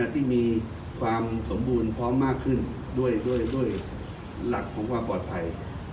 ที่มีความสมบูรณ์พร้อมมากขึ้นด้วยหลักของความปลอดภัย